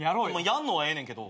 やんのはええねんけど。